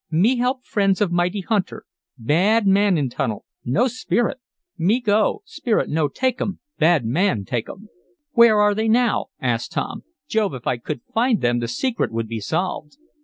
"Me help friends of mighty hunter. Bad man in tunnel no spirit! "Men go. Spirit no take um bad man take um." "Where are they now?" asked Tom. "Jove, if I could find them the secret would be solved!"